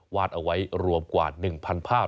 วาดเอาไว้รวมกว่า๑๐๐ภาพ